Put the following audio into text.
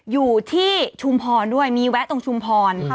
อยู่ที่ชุมพรด้วยมีแวะตรงชุมพร